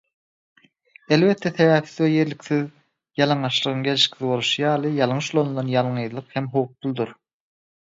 Elbetde sebäpsiz we ýerliksiz ýalaňaçlygyň gelşiksiz boluşy ýaly ýalňyş ulanylan ýalňyzlyk hem howpludyr.